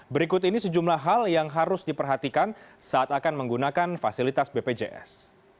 berikut ini sejumlah hal yang harus diperhatikan saat akan menggunakan fasilitas bpjs